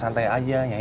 selalu mawas diri